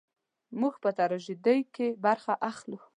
موږ په تراژیدۍ کې برخه اخلو.